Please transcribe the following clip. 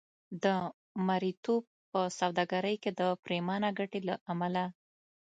د مریتوب په سوداګرۍ کې د پرېمانه ګټې له امله.